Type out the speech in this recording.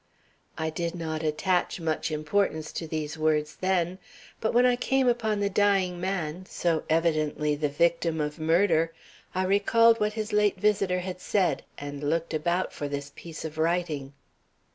I did not attach much importance to these words then, but when I came upon the dying man, so evidently the victim of murder, I recalled what his late visitor had said and looked about for this piece of writing."